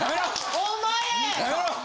お前！